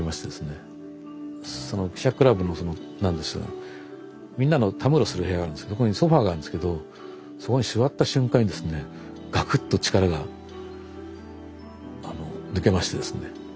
記者クラブのそのみんなのたむろする部屋があるんですけどそこにソファーがあるんですけどそこに座った瞬間にですねガクッと力が抜けましてですね。